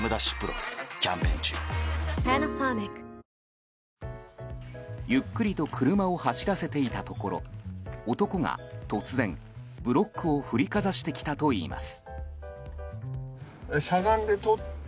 丕劭蓮キャンペーン中ゆっくりと車を走らせていたところ男が突然ブロックを振りかざしてきたといいます。